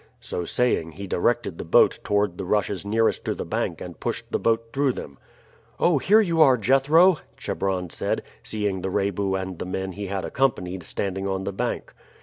So saying he directed the boat toward the rushes nearest to the bank and pushed the boat through them. "Oh, here you are, Jethro!" Chebron said, seeing the Rebu and the men he had accompanied standing on the bank.